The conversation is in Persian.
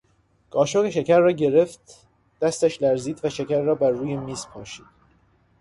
قاشق شکر را که گرفت دستش لرزید و شکر را بر رومیزی پاشید.